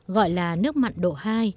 gọi là nước mặn độ hai